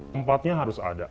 tempatnya harus ada